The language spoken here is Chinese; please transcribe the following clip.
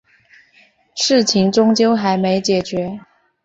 事情终究还没解决